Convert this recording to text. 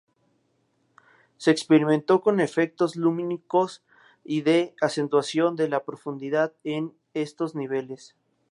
Se experimentó con efectos lumínicos y de acentuación de la profundidad en estos niveles.